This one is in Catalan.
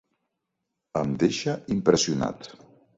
Em deixa impressionat.